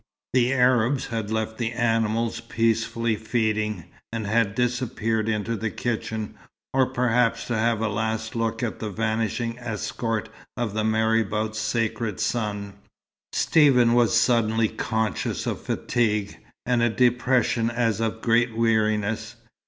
The Arabs had left the animals peacefully feeding, and had disappeared into the kitchen, or perhaps to have a last look at the vanishing escort of the marabout's sacred son. Stephen was suddenly conscious of fatigue, and a depression as of great weariness.